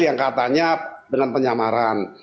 yang katanya dengan penyamaran